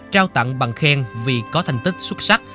trao tặng bằng khen vì có thành tích xuất sắc